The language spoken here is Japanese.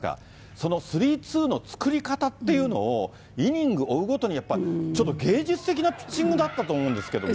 そのスリー、ツーの作り方っていうのをイニング追うごとに、やっぱりちょっと芸術的なピッチングだったと思うんですけれども。